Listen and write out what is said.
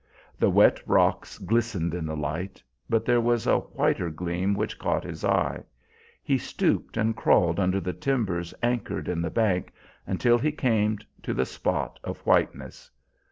The wet rocks glistened in the light, but there was a whiter gleam which caught his eye. He stooped and crawled under the timbers anchored in the bank, until he came to the spot of whiteness.